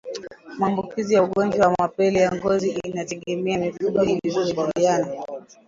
Maambukizi ya ugonjwa wa mapele ya ngozi inategemea mifugo ilivyoingiliana